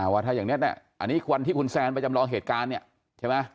ว่าถ้าอย่างนี้อันนี้วันที่คุณแซนไปจำลองเหตุการณ์เนี่ยใช่ไหม